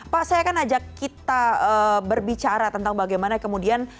pak saya akan ajak kita berbicara tentang bagaimana kemudian